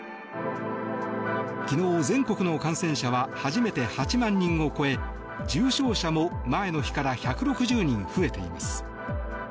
昨日、全国の感染者は初めて８万人を超え重症者も前の日から１６０人増えています。